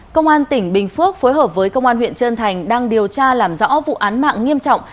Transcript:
công an tỉnh bình phước phối hợp với công an huyện trân thành đang điều tra làm rõ vụ án mạng nghiêm trọng